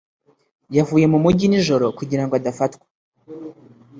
yavuye mu mujyi nijoro kugira ngo adafatwa.